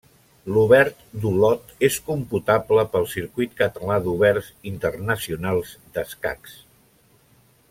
L'Obert d'Olot és computable pel Circuit Català d'Oberts Internacionals d'Escacs.